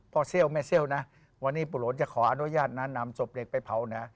พอเซลล์แม่เซลล์นะวันนี้ปุโลชจะขออนุญาตนานแหลมศพเด็กไปเผานะ